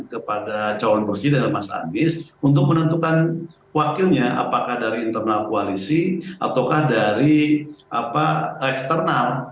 kepada calon presiden mas anies untuk menentukan wakilnya apakah dari internal koalisi ataukah dari eksternal